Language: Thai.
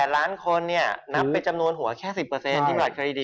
๖๘ล้านคนนำไปจำนวนหัวแค่๑๐ที่ถือบัตรเครดิต